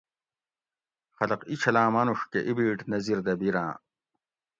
خلق اِینچھلاۤں مانوڛ کہ اِیبیٹ نظر دہ بِیراۤں